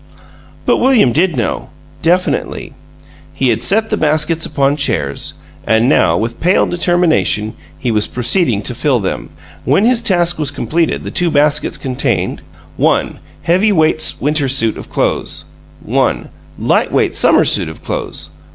But William did know, definitely. He had set the baskets upon chairs, and now, with pale determination, he was proceeding to fill them. When his task was completed the two baskets contained: One "heavy weight winter suit of clothes." One "light weight summer suit of clothes."